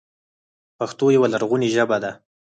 پښتو یوه لرغونې ژبه ده.